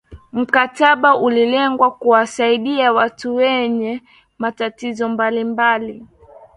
mkataba ulilenga kuwasaidia watu wenye matatizo mbalimbali